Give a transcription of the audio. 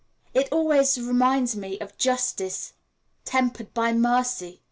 It always reminds me of Justice tempered by Mercy.